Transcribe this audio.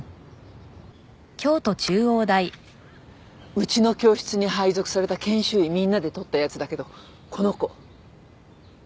うちの教室に配属された研修医みんなで撮ったやつだけどこの子。